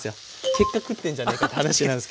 結果食ってんじゃねぇかって話なんですけどね。